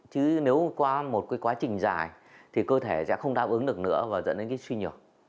chứ nếu qua một quá trình dài thì cơ thể sẽ không đáp ứng được nữa và dẫn đến suy nhược